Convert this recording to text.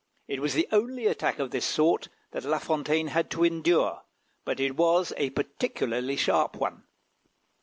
It was the only attack of this sort that La Fontaine had to endure, but it was a particularly sharp one.